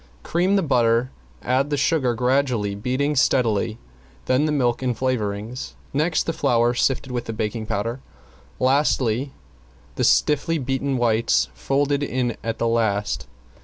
Cream the butter, add the sugar gradually, beating steadily, then the milk and flavoring, next the flour sifted with the baking powder, and lastly the stiffly beaten whites folded in at the last.